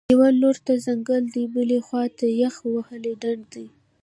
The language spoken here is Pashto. یوه لور ته ځنګل دی، بلې خوا ته یخ وهلی ډنډ دی